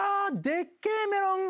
でっけえメロン」